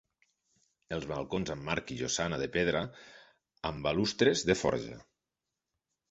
Els balcons amb marc i llosana de pedra, amb balustres de forja.